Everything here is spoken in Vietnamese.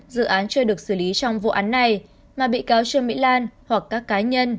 dự án chưa được xử lý trong vụ án này mà bị cáo trương mỹ lan hoặc các cá nhân